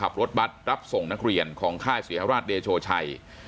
ขับรถบัตรรับส่งนักเรียนของค่ายศรีฮราชเดโชชัย